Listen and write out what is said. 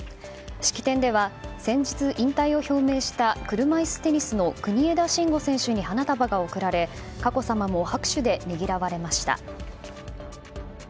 式典では先日、引退を表明した車いすテニスの国枝慎吾選手に花束が贈られ佳子さまも拍手でねぎらわれました。